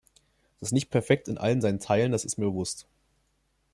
Es ist nicht perfekt in allen seinen Teilen das ist mir bewusst.